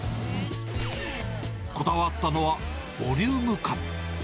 こだわったのは、ボリューム感。